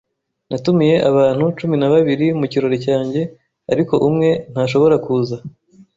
Natumiye abantu cumi na babiri mu kirori cyanjye, ariko umwe ntashobora kuza.